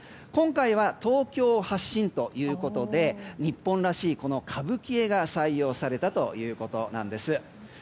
今回は東京発信ということで日本らしいこの歌舞伎絵が採用されたということなんです。